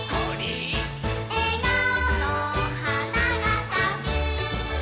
「えがおのはながさく」